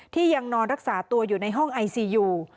ยังนอนรักษาตัวอยู่ในห้องไอซียู